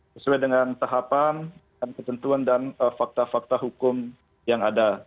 sesuai dengan tahapan dan ketentuan dan fakta fakta hukum yang ada